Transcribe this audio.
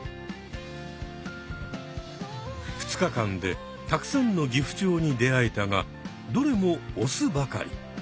２日間でたくさんのギフチョウに出会えたがどれもオスばかり。